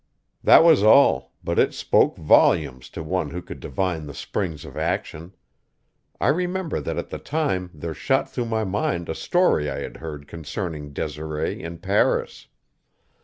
That was all, but it spoke volumes to one who could divine the springs of action. I remember that at the time there shot through my mind a story I had heard concerning Desiree in Paris.